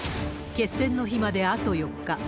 決戦の日まであと４日。